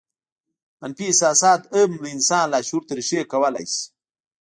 منفي احساسات هم د انسان لاشعور ته رېښې کولای شي